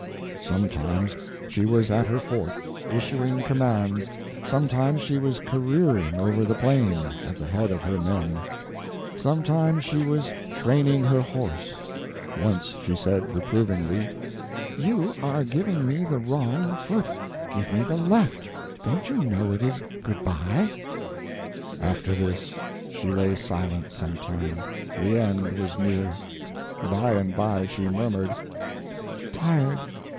Sometimes she was at her fort, issuing commands; sometimes she was careering over the plain at the head of her men; sometimes she was training her horse; once she said, reprovingly, "You are giving me the wrong foot; give me the left—don't you know it is good bye?" After this, she lay silent some time; the end was near. By and by she murmured, "Tired